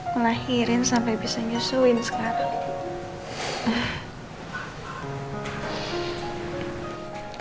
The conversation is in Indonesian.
melahirin sampai bisa nyusuin sekarang